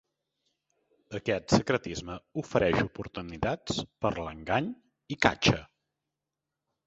Aquest secretisme ofereix oportunitats per l'engany i catxa.